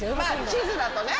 地図だとね。